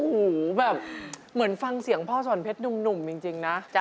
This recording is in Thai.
โอ้โหแบบเหมือนฟังเสียงพ่อสอนเพชรหนุ่มจริงนะ